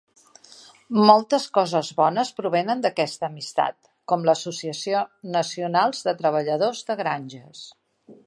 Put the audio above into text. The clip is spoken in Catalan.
Moltes coses bones provenen d'aquesta amistat, com l'Associació nacionals de treballadors de granges.